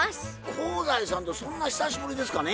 香西さんとそんな久しぶりですかね？